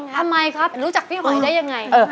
ทำไมครับรู้จักพี่หอยได้ยังไง